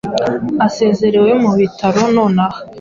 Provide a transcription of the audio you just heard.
asezerewe mu bitaro nonaha